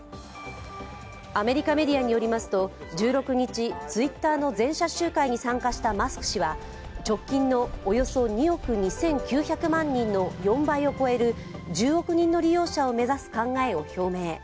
アメリカメディアによりますと、１６日、ツイッターの全社集会に参加したマスク氏は直近のおよそ２億２９００万人の４倍を超える１０億人の利用者を目指す考えを表明。